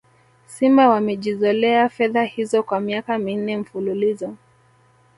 Simba wamejizolea fedha hizo kwa miaka minne mfululizo